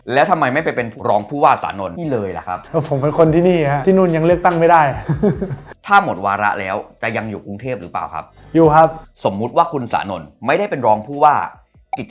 แล้วทำไมไม่ไปเป็นรองผู้ว่าสานนท์นี่เลยล่ะครับ